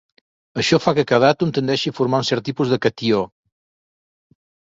Això fa que cada àtom tendeixi a formar un cert tipus de catió.